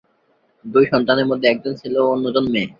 দুই সন্তানের মধ্যে একজন ছেলে ও অন্য জন মেয়ে।